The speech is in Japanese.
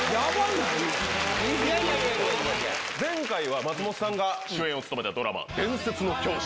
前回は、松本さんが主演を務めたドラマ、伝説の教師。